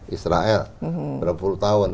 israel berapa puluh tahun